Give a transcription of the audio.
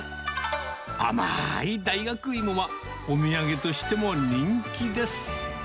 甘ーい大学いもは、お土産としても人気です。